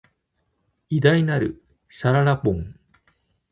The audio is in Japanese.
偉大なる、しゅららぼん